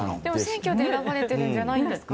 選挙で選ばれてるんじゃないんですか。